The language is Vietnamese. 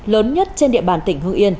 lớn nhất trên địa bàn tỉnh hưng yên